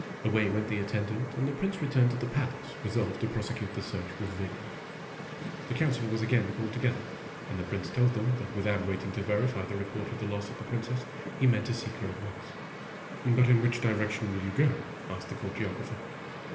Away went the attendant, and the Prince returned to the palace, resolved to prosecute the search with vigor. The council was again called together, and the Prince told them that without waiting to 140 IMAGINOTIONS verify the report of the loss of the Princess, he meant to seek her at once. " But in which direction will you go?" asked the Court Geographer.